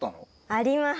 あります！